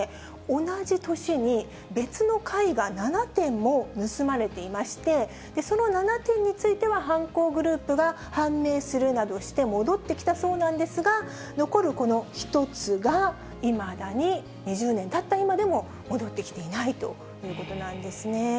同じ年に別の絵画７点も盗まれていまして、その７点については、犯行グループが判明するなどして戻ってきたそうなんですが、残るこの１つが、いまだに、２０年たった今でも、戻ってきていないということなんですね。